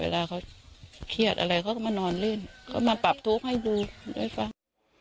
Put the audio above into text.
เวลาเขาเครียดอะไรเขาก็มานอนเล่นก็มาปรับทุกข์ให้ดูได้ฟัง